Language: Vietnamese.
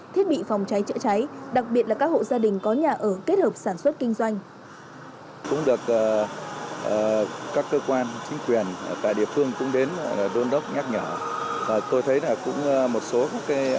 thiết bị phòng cháy chữa cháy đặc biệt là các hộ gia đình có nhà ở kết hợp sản xuất kinh doanh